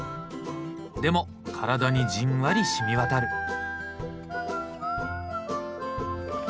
でも体にじんわりしみわたる。